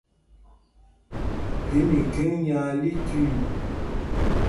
Phe mikheŋ nya lǐ tüü.